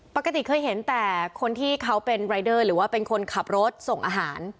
ปกติเคยเห็นแต่คนที่เขาเป็นรายเดอร์หรือว่าเป็นคนขับรถส่งอาหาร